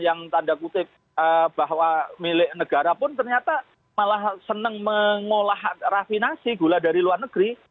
yang tanda kutip bahwa milik negara pun ternyata malah senang mengolah rafinasi gula dari luar negeri